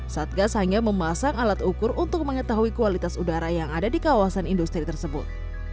satgas hanya memasang alat ukur untuk mengetahui kualitas udara yang ada di kawasan industri tersebut